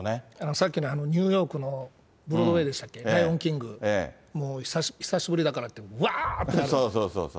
さっきのニューヨークのブロードウェイでしたっけ、ライオンキング、もう久しぶりだからって、わーって。